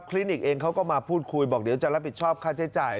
ลินิกเองเขาก็มาพูดคุยบอกเดี๋ยวจะรับผิดชอบค่าใช้จ่าย